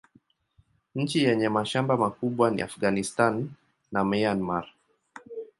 Nchi yenye mashamba makubwa ni Afghanistan na Myanmar.